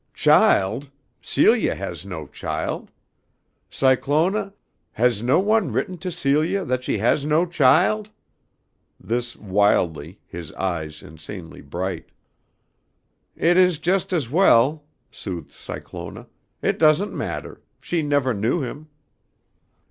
Child! Celia has no child. Cyclona, has no one written to Celia that she has no child?" This wildly, his eyes insanely bright. "It is just as well," soothed Cyclona. "It doesn't matter. She never knew him."